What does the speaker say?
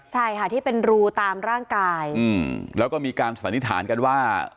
ใช่ค่ะที่เป็นรูตามร่างกายอืมแล้วก็มีการสันนิษฐานกันว่า